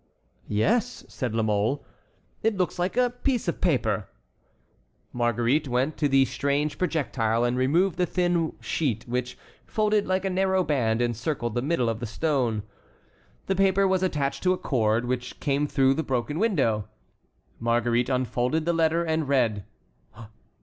"Yes," said La Mole, "it looks like a piece of paper." Marguerite went to the strange projectile and removed the thin sheet which, folded like a narrow band, encircled the middle of the stone. The paper was attached to a cord, which came through the broken window. Marguerite unfolded the letter and read.